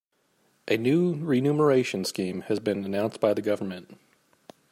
A new renumeration scheme has been announced by the government.